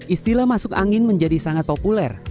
istilah masuk angin menjadi sangat populer